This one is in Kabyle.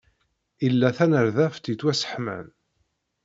Ila tanerdabt yettwasseḥman.